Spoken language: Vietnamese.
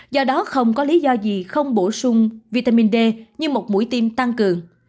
do đó không có lý do gì không bổ sung vitamin d như một mũi tiêm tăng cường